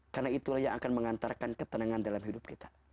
karena itulah yang akan mengantarkan ketenangan dalam hidup kita